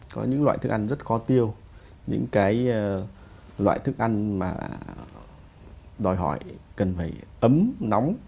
có những loại thức ăn rất khó tiêu những cái loại thức ăn mà đòi hỏi cần phải ấm nóng